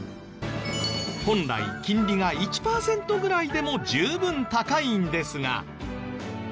本来金利が１パーセントぐらいでも十分高いんですが。